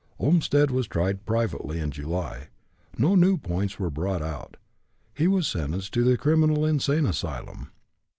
Olmstead was tried privately in July. No new points were brought out. He was sentenced to the Criminal Insane Asylum.